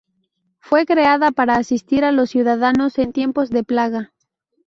Fue creada para asistir a los ciudadanos en tiempos de plaga.